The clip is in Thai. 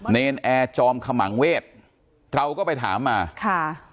เนรนแอร์จอมขมังเวศเราก็ไปถามมาค่ะ